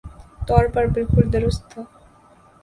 طور پہ بالکل درست تھا